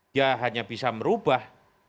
dia hanya bisa merubah